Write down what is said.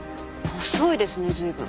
細いですね随分。